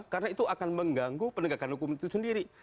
karena itu akan mengganggu penegakan hukum itu sendiri